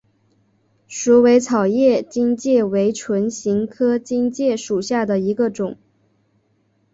鼠尾草叶荆芥为唇形科荆芥属下的一个种。